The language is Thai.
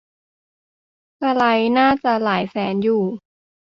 สไลด์น่าจะหลายแสนอยู่